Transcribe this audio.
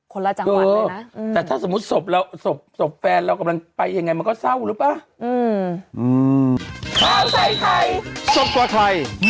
คนละจังหวัดเลยนะเออแต่ถ้าสมมุติสบเราสบสบแฟนเรากำลังไปยังไงมันก็เศร้าหรือเปล่าอืมอืม